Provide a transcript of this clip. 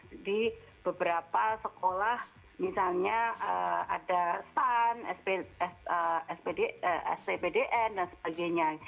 jadi beberapa sekolah misalnya ada stan stbdn dan sebagainya